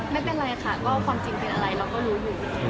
ไม่เป็นไรค่ะก็ความจริงเป็นอะไรเราก็รู้อยู่